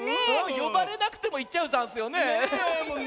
よばれなくてもいっちゃうざんすよね。